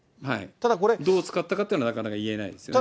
どう使ったかっていうのは、なかなか言えないですね。